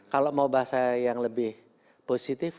kalau mau bahasa yang lebih positif